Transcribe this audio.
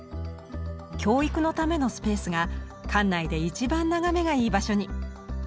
教育のためのスペースが館内で一番眺めがいい場所に。